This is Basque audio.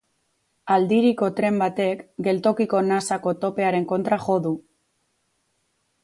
Aldiriko tren batek geltokiko nasako topearen kontra jo du.